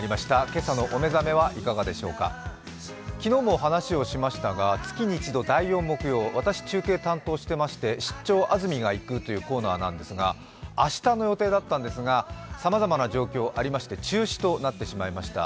今朝のお目覚めはいかがでしょうか昨日も話しをしましたが、月に一度、「出張！安住がいく」というコーナーなんでうｓが、明日の予定だったんですがさまざまな状況がありまして中止となってしまいました。